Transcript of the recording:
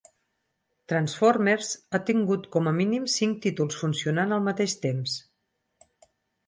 Transformers ha tingut com a mínim cinc títols funcionant al mateix temps.